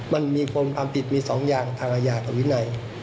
มันมีคนความผิดมี๒อย่างทางอาญากับวินัย